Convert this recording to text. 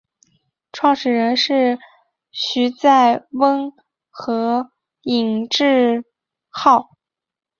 创始人是徐载弼和尹致昊。